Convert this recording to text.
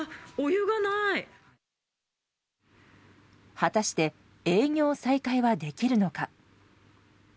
果たして営業再開はできるのか。